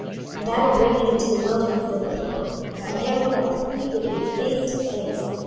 26:020:035 And I will bring you into the wilderness of the people, and there will I plead with you face to face.